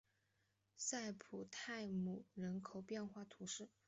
塞普泰姆人口变化图示